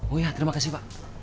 oh ya terima kasih pak